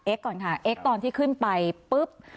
ก่อนค่ะเอ็กซ์ตอนที่ขึ้นไปปุ๊บ